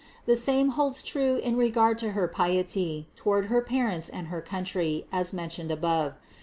The same holds true in regard to her piety toward her parents and her country, as mentioned above.